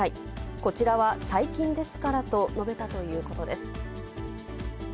こちらは最近ですからと述べたということです。